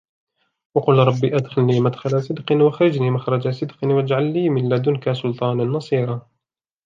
وَقُلْ رَبِّ أَدْخِلْنِي مُدْخَلَ صِدْقٍ وَأَخْرِجْنِي مُخْرَجَ صِدْقٍ وَاجْعَلْ لِي مِنْ لَدُنْكَ سُلْطَانًا نَصِيرًا